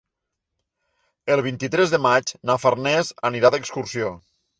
El vint-i-tres de maig na Farners anirà d'excursió.